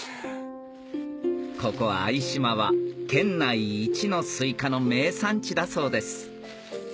ここ相島は県内一のスイカの名産地だそうです